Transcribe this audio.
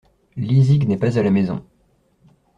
Lizig n’est pas à la maison.